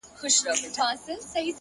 خپل ځواک د خیر په لور رهبري کړئ.!